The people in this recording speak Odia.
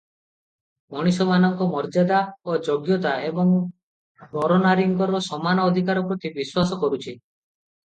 ମଣିଷମାନଙ୍କ ମର୍ଯ୍ୟାଦା ଓ ଯୋଗ୍ୟତା, ଏବଂ ନରନାରୀଙ୍କର ସମାନ ଅଧିକାର ପ୍ରତି ବିଶ୍ୱାସ କରୁଛି ।